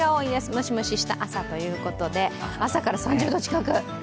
ムシムシした朝ということで朝から３０度近く！